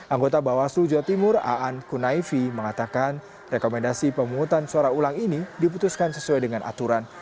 anggota bawaslu jawa timur aan kunaifi mengatakan rekomendasi pemungutan suara ulang ini diputuskan sesuai dengan aturan